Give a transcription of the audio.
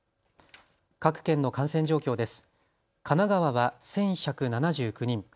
各県の感染状況です。